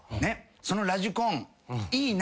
「そのラジコンいいな。